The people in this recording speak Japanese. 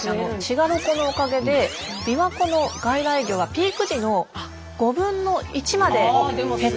滋賀ロコのおかげでびわ湖の外来魚がピーク時の５分の１まで減っているんですね。